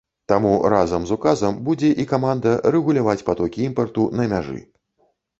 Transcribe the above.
Таму разам з указам будзе і каманда рэгуляваць патокі імпарту на мяжы.